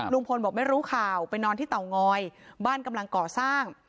ลุงพลบอกไม่รู้ข่าวไปนอนที่เตางอยบ้านกำลังก่อสร้าง